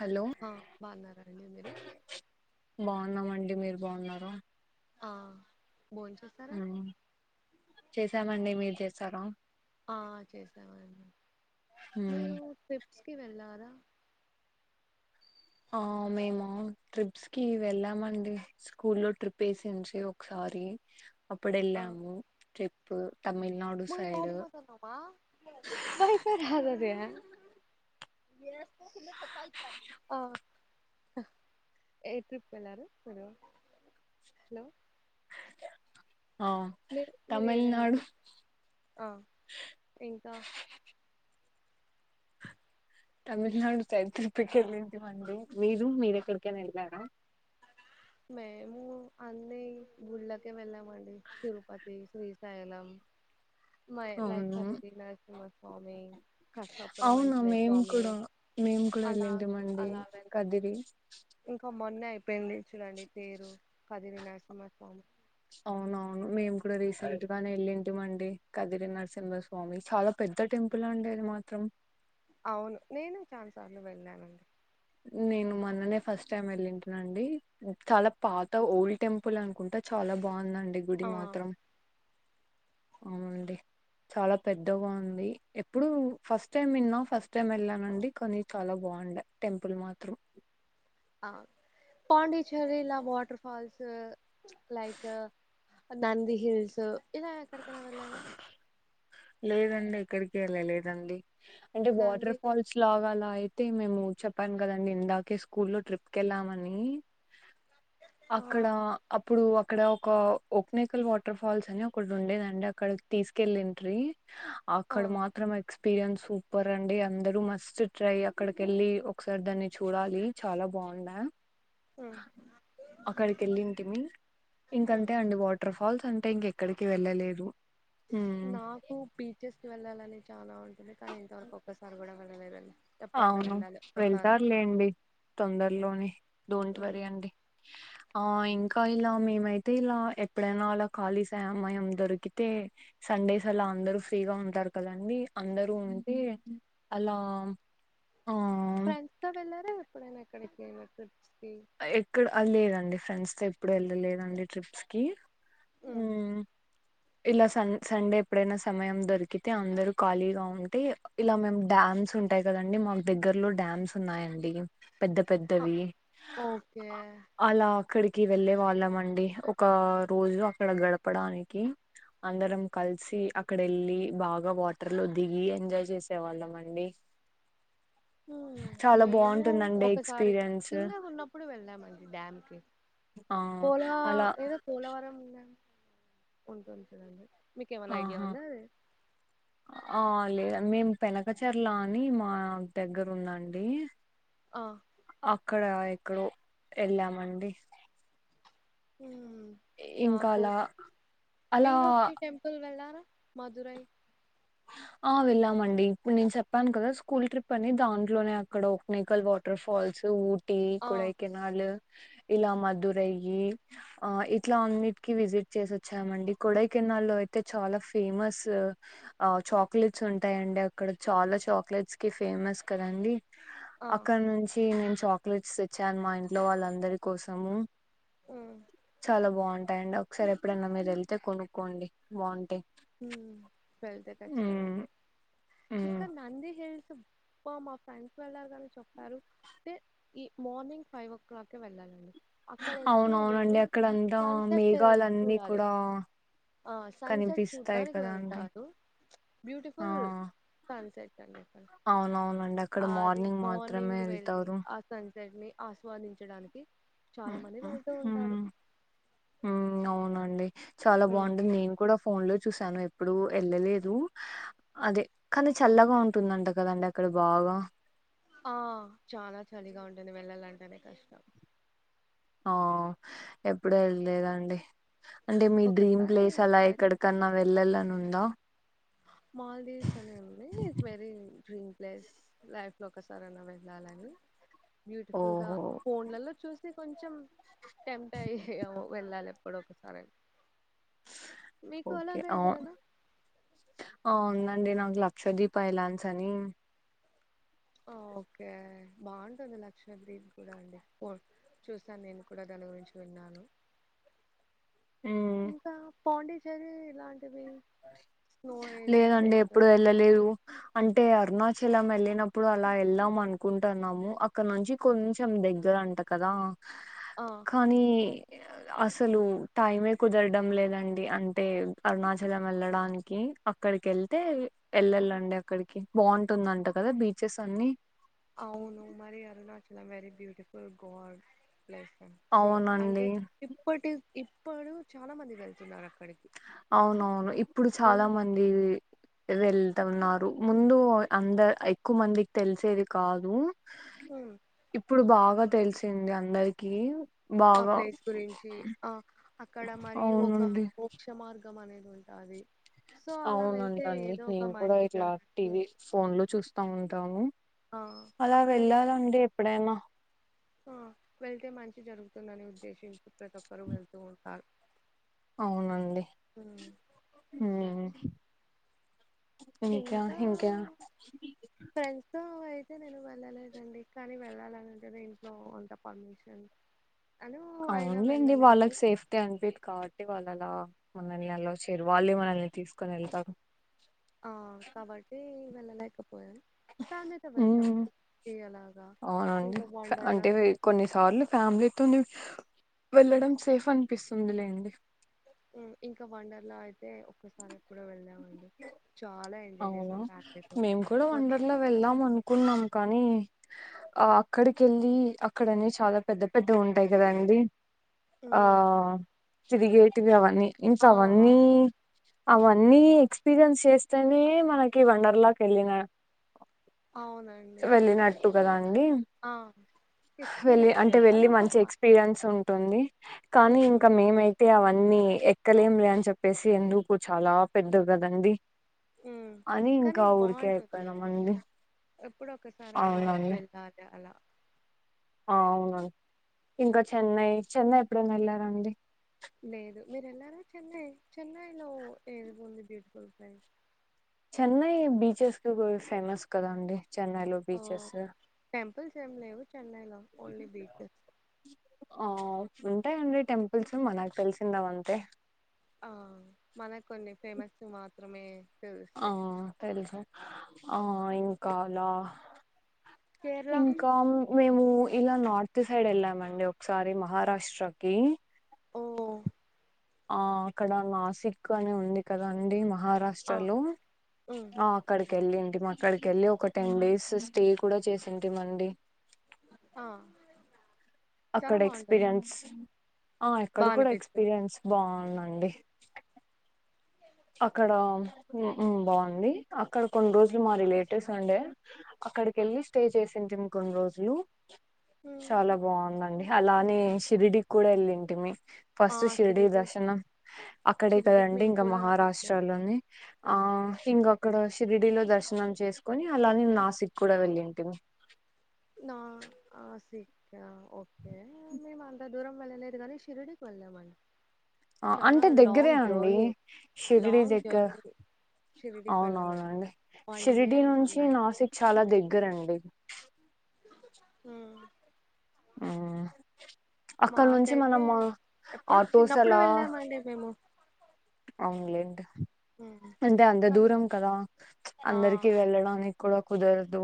Hello ఆ బాగున్నరండి మీరు ఉన్నామండి మీరు బాగున్నారా ఆ భోంచేశారా మ్మ్. చేసామండి మీరు చేసారా ఆ చేశాం అండి మ్మ్. మీరు స్కి వెళ్ళారా ఆ మేము ట్రిప్స్ కి వెళ్ళామండి స్కూల్ లో ట్రిప్ వేసిడ్రి ఒకసారి అప్పుడేళ్ళాము ట్రిప్ ప్ మా యాడికబోతన్నావ్ వైఫై రాధది ఆ ఏ ట్రిప్పు వెలారు మీరు హలో ఆ మీరు మీరు ఏదైనా తమిళనాడు ఆ ఇంకా తమిళనాడు సైడ్ ట్రిప్పుకెళ్ళింటివండి మీరు మీరెక్కడికైనా వెళ్ళారా మోము అన్ని గుడ్లకే వెళ్ళాం మది తిరుపతి శ్రీశైలం మై లైక్ అవును కదిరి నరసింహస్వామి కసాపురం అవునా అంజనేయ మేము స్వామి కూడా మేము కూడా అలా వెళ్ళింటిమండి అలాగ కదిరి ఇంకా మొన్న పెళ్లి చుడండి పేరు కదిరి నరసింహస్వామి అవునవును మేము కూడా రీసెంట్ గానే వెళ్ళింటి మండి కదిరి నరసింహస్వామి చాలా పెద్ద టెంపుల్ అండి అది మాత్రం అవును నేను చాన్ సార్లు వెళ్ళానండి నేను మన్ననే ఫస్ట్ టైం వెళ్ళింటునండి చాలా పాత ఓల్డ్ టెంపుల్ అనుకుంటచాలా బాగున్నా ండి గూడి ఆ మాత్రం అవునండి చాలా పెద్దగా ఉంది ఎప్పుడు ఫస్ట్ టైం విన్నా ఫస్ట్ టైం వెళ్ళానండి కొనీ చాలా బాగుండే టెంపుల్ మాత్రం ఆ పాండీఛేరి ల water falls like Nandi hills ఇలా క్కడికైనా వెళ్ళర లేదండి ఎక్కడికి వెళ్ళలేదండి అంటే నంది వాటర్ ఫాల్స్ లాగా అలా అయి అయితే మేము చెప్పాను కదండి ఇందాకే స్కూల్ లో ట్రిప్ కెళ్ళామని ఆ అక్కడ అప్పుడు ఇక్కడ ఒక ఓక్నేకల్ వాటర్ ఫాల్స్ అని ఒకటి ఉండేదండి అక్కడ తీసుకెళ్ళ ద్రి ఆ ఆక్కడ మాత్రమ ఎక్స్పీరియన్స్ సూపర్ అండి అందరు మస్ట్ ట్రై అక్కడికి వెళ్ళి ఒకసారి దాన్ని చూడాలి చాలా బాగున్నాయి ఉమ్ అక్కడికి వెళ్ళింటిమీ ఉమ్ ఇంకంతే అండి వాటర్ఫాల్ కాల్స్ ఉంటే ఇంక ఎక్కడికి వెళ్ళలేదు ఊ కు బీచెస్ కి వెళ్ళాలని చాలా కానీ ఇంతవరకు ఒక్కసారి కూడా వే అవును వెళ్తారులేండి ఉమ్ తొందరలోనే డోంట్ ఉమ్ వరి అండి ఆ ఇంకా ఇలా మేమైతే ఇలా ఎప్పుడైనా అలా ఖాళీ సమయం దొరికితే సండేస్ అలా అందరూ ఫ్రీగా ఉంటారు కదండి అందరూ ఉంటే అలా ఆ... ఫ్రెండ్స్ తో వెళ్ళారా ఎప్పుడైన ఇక్కడికైన ట్రిప్స్ కి ఏక్కడ లేదండి ఫ్రెండ్స్ ఎప్పుడు వెళ్ళలేదండి ట్రిప్స్ కి ఊ ఉమ్ ఇలా సం సండే ఎప్పుడైనా సమయం దొరికితే, అందరూ ఖాళీగా ఉంటే, ఇలా మేము డ్యామ్స్ ఉంటాయి కదండి మాకు దగ్గర్లో డ్యామ్స్ ఉన్నాయండి. పెద్ద ఆ, పెద్దవి ఓకే అలా అక్కడికి వెళ్ళే వాళ్ళం అండి, ఒక రోజు అక్కడ గడపడానికి అందరం కలిసి అక్కడ వెళ్ళి బాగా వాటర్ లో దిగి ఎంజాయ్ చేసే వాళ్లం అండి. హ్మ్ చాలా మేము బాగుంటుందండి ఎక్స్పీరియన్స్. ప్పుడు వెళ్ళామండి డ్యామ్ కి ఆ పోలా అలా ఏదో పోలవరం ఉంటుంది కదండీ ఆహా ఆ అ లేద్ మేం పెనకచర్లా అని మా దగ్గర ఉందండి ఆ అక్కడ ఎక్కడో వెళ్ళామండి ఊ ఇంకా నాకు, అలా అలా మీనాక్షి టెంపుల్ వెళ్ళారా? మధురై ఆ వెళ్ళామండి ఇప్పుడు నేను చెప్పాను కదా, స్కూల్ ట్రిప్ అని దాంట్లోనే అక్కడ ఒక్మికల్ వాటర్ ఫాల్స్, ఊ టీ ఆ కొడైకెనాల్ ఇలా మదురై ఈ ఆ ఇట్లా అన్నిటికి విజిట్ చేసి వచ్చామండి, కొడైకెనాల్ లో అయితే చాలా ఫేమస్ ఆ చాక్లెట్స్ ఉంటాయండి అక్కడ చాలా చాక్లెట్స్ కి ఫేమస్ కదండి? ఆ అక్కడ నుంచి నించోన్ చాక్లెట్స్ తెచ్చాను, మా ఇంట్లో వాళ్ళందరి కోసము. ఊ చాలా బాగుంటాయండి ఒకసారి ఎప్పుడైనా మీరు వెళ్తే కొనుక్కోండి, బావుంటయి. ఉమ్ వెళ్తే కచ్చితంగా ళ్తా ఉమ్ ఇక్కడనంది హిల్స్ బ మా ఫ్రెండ్స్ వెళ్లారు గాని చెప్పారు, టే ఈ మార్నింగ్ ఫైవ్ ఓ క్లాక్ కె వెళ్ళాలండి. అక్కడొచ్చి అవునవునండి, వెళ్ళి అక్కడ అంతా సన్సెట్ మేఘాలన్ని చూడాలి. కూడా కనిపిస్ డ్డానికి వెళ్తారు, బ్యూటిఫుల్ అల్సైదండి అవునవును అండ్ అక్కడ మార్నింగ్ మాత్రమే వెళ్తారు. దాన్ని ఆస్వాదించడానికి చాలా ఉమ్ మంది వెళ్తూ ఉంటారు. ఉమ్ ఉమ్, అవునండి చాలా ఉమ్. బాగుంటుంది నేను కూడా ఫోన్ లో చు చూసాను ఎప్పుడూ ఎళ్ళలేదు అదే, కనీ చల్లగా ఉంటుందంట కదండి అక్కడ బాగా? ఆ చాలా చలిగా ఉంటుంది వెళ్ళాలంటేనే కష్టం. ఆ ఎప్పుడు ఎళ్ళలేదండి. అంటే మీ డ్రీమ్ ఒకసారి ప్లేస్ అలా ఎక్కడికన్నా వెళ్ళాలనుం హలో మాల్దీవ్స్ అని ఉంది, వెరీ డ్రీమ్ ప్లేస్ లైఫ్ లో ఒకసారైనా వెళ్ళాలని బ్యూటిఫుల్ గా ఓహో ఫోన్లలో చూస్ తె కొంచెం టెంప్ట్ అయ్యి వెళ్ళాలి ఎప్పుడో ఒకసారన్ మీకు ఓకే అలాగ అవు ఎగరాలా అవునండి నాకు లక్ష ద్వీప్ అయిలాడ్సని ఓకే బాగుంటుంది లక్షద్వీప్ గూడ అండి ఫో చూసాను నేను కూడా దాని గురించి విన్నాను. ఉమ్ ఇంకా పాండిచ్చెరి ఇలాం లేదండి ప్లేస్ ఎప్పుడు వెళ్ళలేదు అం టే అరుణాచలం ఎళ్ళినప్పుడు అలా ఏళ్దాం అనుకుంటున్నాము అక్కడ నుంచి కొంచెం దగ్గర అంట కదా? ఆ కానీ అసలు టైమే కుదరడం లేదండి అంటే అరుణాచ లం వెళ్ళడానికి అక్కడికి వెళ్తే వెల్లళ్లండి అక్కడికి బాగుంటుందంట కదా బీచెస్ అన్ని అవును మరి అరుణాచలం వెరీ బ్యూటిఫుల్ [inaudible] [unintelligible] స్లో అంటే అవునండి ఇప్పటి ఇప్పుడు చాలా మంది వెళ్తున్నారు అక్కడికి అవునవును ఇప్పుడు చాలా ముందు మంది వెల్ తున్నారు ముందు అంద ఎక్కువ మందికి తెలిసేది కాదు ఇప్పుడు బాగా తెలిసింది అందరికి ఆ బాగా ప్లేస్ గురించి అ అక్కడ మరియు ఒక అవునండి మోక్షమార్ గం అనేది ఉండాలి అవునంటండి నేను కూడా మంచి ఇట్లా జరగచ్చు టీవీ, ఫోన్ లో చూస్తా ఉంటాను ఆ అలా అక్కడ వెళ్ళాలండి ఎప్పుడైనా వెళ్తే మంచి జరుగుతుందని ఉద్దేశించి ప్రతి ఒక్కరూ వెళ్తూ ఉంటారు అవునండి ఉమ్. మ్మ్ ఇంకా ఫ్రెండ్స్ తో అయి అయితే నేను వెళ్ళలేదండి కానీ వెళ్ళాలని అంటే నేను కూడా పోతా పర్మిషన్ అను అయినా అవునులేండి వెళ్ళలేదు వాళ్ళకి సేఫ్టీ అనిపియదు కాబట్టి వాళ్ కదా మనల్ని అలో చేయరు వాళ్ళే మనల్ని తీసుకొని ఎళ్తారు ఆ కాబట్టి వెళ్లలేక పో మ్మ్ తిప్పి అలాగా అవునండి ఇంకా అంటే వండర్లాకి వె వెళ్ళాలి కొన్ని సార్లు ఫ్యామిలీతోనే వెళ్లడం సేఫ్ అనిపిస్తుంది లేండి ఇంకా వండర్ల అయితే ఒక్కసారి కూడా వెల్దామండి చాలా ఎంజాయ్ అవునా చేసాం ఫ్యామిలీతో మేము కూడా మొత్తం వండర్లా వెళ్ళాం అనుకున్నాం కానీ ఆ అక్కడికెళ్ళి అక్కడ అన్ని చాలా పెద్ద పెద్దవి ఉంటాయి కదండి ఆ ఉమ్ తిరిగేటివి అవన్నీ ఆ ఇంకావన్ని అవన్నీ ఎక్స్పీరియన్స్ చేస్ స్తేనే మనకి వండర్లాకెళ్ళిన అవునండి వెళ్ళినట్టు కదా అండి ఆ అవునండి, వెళ్ళి ఎక్స్పీరియన్స్ అంటే చేయాలి వెళ్ళి అదొక మంచి ఫన్ ఎక్స్పీరియన్స్ ఉంటుంది కానీ ఉమ్ ఇంకా మేమైతే అవ అన్నీ ఎక్కలేం రా అని చెప్పేసి ఎందుకు చాలా పెద్ద గదండి. ఉం కనీ బాగుంటుంది అయిపోయినామండి ఎప్పుడొక్కసారన్న అవునండి వెళ్ళాలి అలా ఆ అవునం ఇంకా చెన్నై చెన్నై ఎప్పుడైనా ఎళ్లారా అండి లేదు మీరు ఎళ్లారా చెన్నై చెన్నైలో ఏది ఉంది బ్యూటిఫుల్ ప్లేస్. చెన్నై బీచెస్ కు ఫేమస్ కదా అండి. చెన్నైలో ఒ బీచెస్ టెంపుల్స్ ఏం లేవు చెన్నైలో ఓన్లీ బీచస్ ఆ ఉంటాయండి టెంపుల్స్ మనకు తెలిసుండవ్ అంతే ఆ మనకు కొన్ని ఫేమస్ మాత్రమే ఆ తెలుస్తాయి తెల్సు ఆ ఇంకాల కేరళ ఇంకా మేము ఇలా నార్త్ సైడ్ ఎళ్ళామండి ఒకసారి మహారాష్ట్రకి ఓ ఆ అక్కడ నాసిక్ అని ఉంది కదా అండి మా ఆ మహారాష్ట్రలో ఉమ్ ఆ అక్కడే క్కెళ్ళింటిమి అక్కడికి ఎళ్ళి ఒక టెన్ డేస్ స్టే కూడా చేసింటి మండి ఆ చాలా అక్కడ బాగుంటుంది ఎక్స్పీరియన్స్ ఆ బా ఎక్కడ కూడా అనిపిస్తుంది ఎక్స్పీరియన్స్ బాగుంద అండి అక్కడ బాగుంది అక్కడ కొన్ని రోజులు మా రిలేటివ్స్ ఉండే అక్కడికి వెళ్ళి స్టే చేసింటిమి కొన్ని రోజులు ఉమ్ చాలా బాగుందండి అలానే షిరిడికి కూడా వెళ్ళింటిమి. ఫస్ట్ షిరిడి దర్శనం అక్కడే షిరిడికి కదండి మేము ఇంకా కూడా మహా వెళ్ళాము ఇష్టాలని ఆ ఇంక అక్కడ షిరిడిలో దర్శనం చేసుకొని అలానే నాసిక్ కూడా వెళ్ళింటిమి. నా సిక్కా ఓకే మేము అంత దూరం వెళ్ళలేదు కానీ షిరిడికి వెళ్ళామండి. ఆ చాలా అంటే దగ్గరే లాంగ్ అండి జర్నీ షిరిడి లాంగ్ దగ్గర జర్నీ షిరిడికి వెళ్ళాలం అవునవునండి one day Shirdi and one నుంచి నైట్ నాసిక్ చాలా దగ్గరండి. హు ఆ మాకైతే ఎప్పుడు ఆటోస్ చిన్నప్పుడు వెళ్ళామండి మేము అవున్లేం అంటే అంత కానీ దూరం కదా ఆ అందరికి వెళ్ళడానిక్ కూడా కుదరదు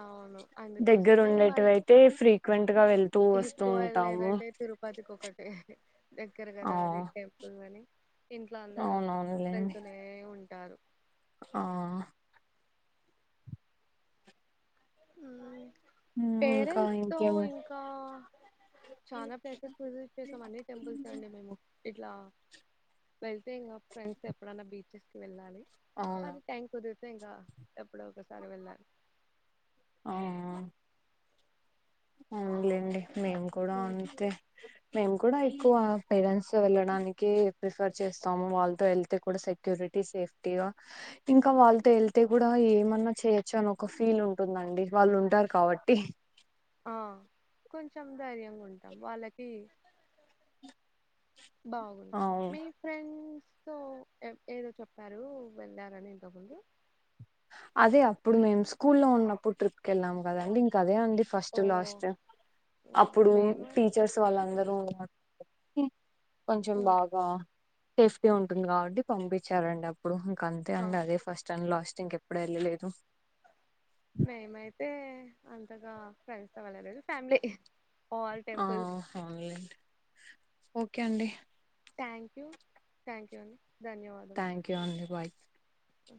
అవును దగ్గర అందుకోసమే మళ్ ఉండేటివయితే ఫ్రీక్వెంట్ గా వెళ్తూ వస్తూ ఎక్కువ ఉంటాము వెళ్ళలేదంటే తిరుపతికి ఒకటి దగ్గర ఆ కదా అది టెంపుల్ అని ఇంట్లో అందరు అవునవునులేండి వెళ్తూనే ఉంట ఉంటారు ఆ ఉమ్ మ్మ్ ఇంకా పేరెంట్స్ తో ఇంకేమి ఇంకా చాలా ప్లేసెస్ విజిట్ చేసాం అన్ని టెంపల్సే అండి మేము. ఇట్లా వెళ్తే ఇంగా ఫ్రెండ్స్ తో ఎప్పుడన్నా బీచెస్ కి వెళ్ళాలి. అవును అదే టైమ్ కుదురుత్ తె ఇంగా ఎప్పుడో ఒకసారి వెళ్ళాలి. ఆ ఆ అవున్లేండి మేము కూడా అంతే మేము కూడ ఎక్కువ పేరెంట్స్ తొ వెళ్ళడానికి ప్రిఫర్ చేస్తాము, వాళ్తో ఎళ్తే కూడ సెక్యూరిటీ సేఫ్టీగా ఇంకా వాళ్తో ఎళ్తే గుడా ఏమన్నా చేయొచ్చు అని ఒకఫ్ ఫీల్ ఉంటుందండి వాళ్ళు ఉంటార్ కాబట్టి ఆ కొంచెం ధైర్యంగుంటాం వాళ్ళకి బాగుంటరు అవును మీ ఫ్రెండ్స్ సో ఎద్ ఏదో చెప్పారు వెళ్ళారని ఇంతక్ముందు అదే అప్పుడు మేము స్కూ లో ఉన్నప్పుడు ట్రిప్కి వెళ్ళాము కదండి ఇంకద్ అదే అండి ఓ ఫస్ట్ లాస్ట్, ఉమ్, అప్పుడు మేము టీచర్స్ వాళ్ళందరూ [unintelligible] కొంచం ఉమ్, బాగా సేఫ్టీ ఉంటుంది కాబట్టి పంపించారండి అప్ ప్పుడు ఇంకంతే ఆ, అండి, అదే ఫస్ట్ అండ్ లాస్ట్ సింకెప్ ఎప్పుడెల్ల లేదు మేమైతే అంతగా ఫ్రెండ్స్తో వెళ్ళలేదు ఫ్యామిలీ ఆల్ ఆ టెంపుల్స్ అవున్లేండి ఓకే అండి థ్యాంక్ యూ థ్యాంక్ యూ అండి. థ్యాంక్ యూ అండి బాయ్. అ